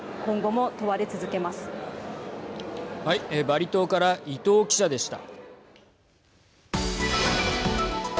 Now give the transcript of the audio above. バリ島から伊藤記者でした。